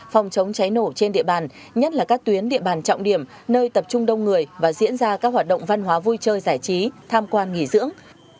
phòng chống cháy nổ trên địa bàn nhất là các tuyến địa bàn trọng điểm nơi tập trung đông người và diễn ra các hoạt động văn hóa vui chơi giải trí tham quan nghỉ dưỡng